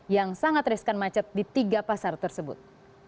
yang sangat riskan macet di tiga pasar tersebut